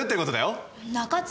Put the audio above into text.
中津？